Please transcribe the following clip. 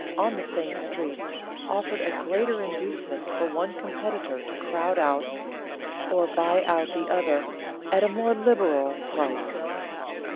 on the same street, offered a greater inducement for one competitor to crowd out or buy out the other at a more than liberal price.